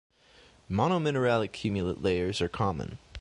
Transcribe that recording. Monominerallic cumulate layers are common.